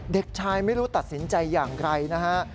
เด็กชายไม่รู้ตัดสินใจอย่างไรนะฮะ